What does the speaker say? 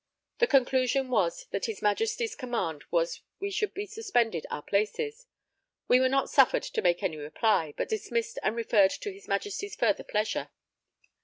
The conclusion was that his Majesty's command was we should be suspended our places. We were not suffered to make any reply, but dismissed and referred to his Majesty's further pleasure.